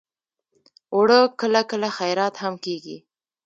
اوړه کله کله خیرات هم کېږي